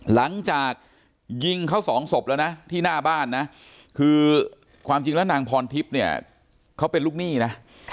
หลังจากยิงเขาสองศพแล้วนะที่หน้าบ้านนะคือความจริงแล้วนางพรทิพย์เนี่ยเขาเป็นลูกหนี้นะ